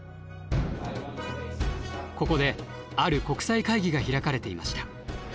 ここである国際会議が開かれていました。